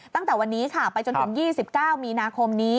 ตั้งแต่วันนี้ค่ะไปจนถึง๒๙มีนาคมนี้